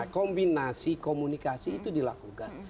kombinasi komunikasi itu dilakukan